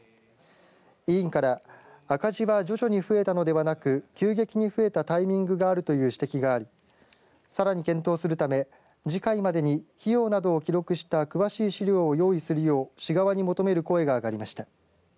委員から、赤字は徐々に増えたのではなく急激に増えたタイミングがあるという指摘がありさらに検討するため、次回までに費用などを記録した詳しい資料を用意するよう市側に求める声があがりました。